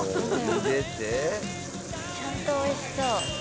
ゆでて。ちゃんとおいしそう。